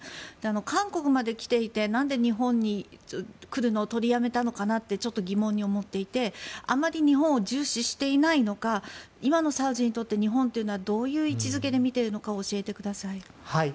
韓国まで来ていてなんで日本に来るのを取りやめたのかなってちょっと疑問に思っていてあまり日本を重視していないのか今のサウジにとって日本というのはどういう位置付けでみているのか教えてください。